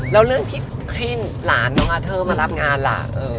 แล้วเรื่องที่ให้หลานน้องอาเทอร์มารับงานล่ะ